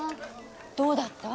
どうだった？